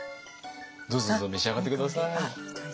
どうぞどうぞ召し上がって下さい。